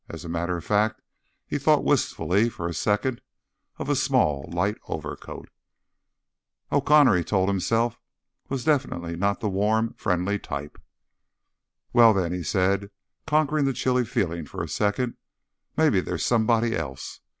As a matter of fact, he thought wistfully for a second of a small, light overcoat. O'Connor, he told himself, was definitely not the warm, friendly type. "Well, then," he said, conquering the chilly feeling for a second, "maybe there's somebody else.